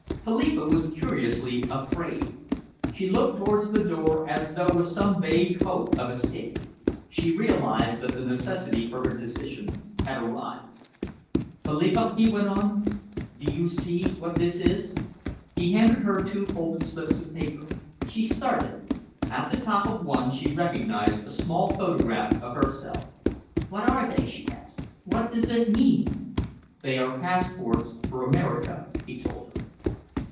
Philippa was curiously afraid. She looked towards the door as though with some vague hope of escape. She realised that the necessity for decision had arrived. "Philippa," he went on, "do you see what this is?" He handed her two folded slips of paper. She started. At the top of one she recognised a small photograph of herself. "What are they?" she asked. "What does it mean?" "They are passports for America," he told her.